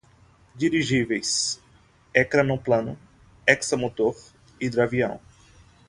Dirigíveis, ecranoplano, hexamotor, hidroavião